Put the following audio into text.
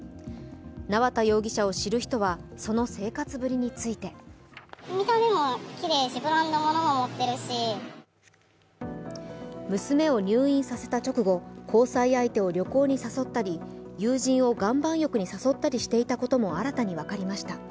縄田容疑者を知る人はその生活ぶりについて娘を入院させた直後交際相手を旅行に誘ったり友人を岩盤浴に誘ったりしていたことも新たに分かりました。